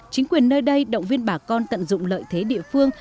chính quyền nơi đây động viên bà con tận dụng lợi thế địa phương